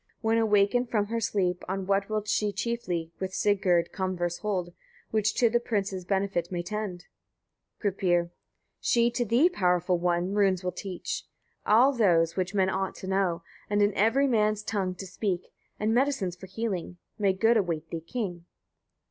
When awakened from her sleep, on what will she chiefly with Sigurd converse hold, which to the prince's benefit may tend? Gripir. 17. She to thee, powerful one! runes will teach, all those which men ought to know; and in every man's tongue to speak, and medicines for healing. May good await thee, king!